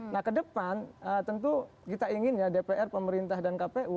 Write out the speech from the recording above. nah ke depan tentu kita inginnya dpr pemerintah dan kpu